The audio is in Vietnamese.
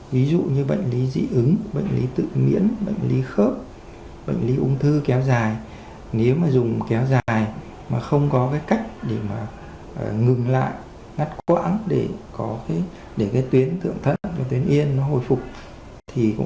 ví dụ như bệnh lý dị ứng bệnh lý tự miễn bệnh lý khớp bệnh lý ung thư kéo dài nếu mà dùng kéo dài mà không có cách để ngừng lại ngắt quãng để tuyến thượng thận tuyến yên hồi phục